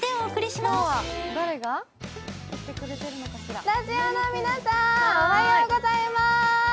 スタジオの皆さん、おはようございます。